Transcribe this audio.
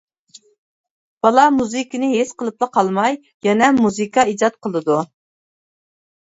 بالا مۇزىكىنى ھېس قىلىپلا قالماي، يەنە مۇزىكا ئىجاد قىلىدۇ.